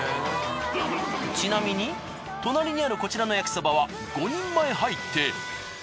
ちなみに隣にあるこちらの焼きそばは５人前入って。